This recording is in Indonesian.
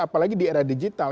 apalagi di era digital